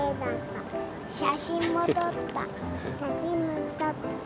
写真も撮った。